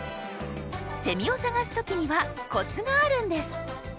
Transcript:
セミを探す時にはコツがあるんです。